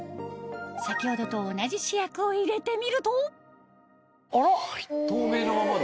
先ほどと同じ試薬を入れてみると透明なままだ！